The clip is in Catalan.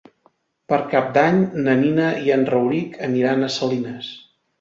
Per Cap d'Any na Nina i en Rauric aniran a Salines.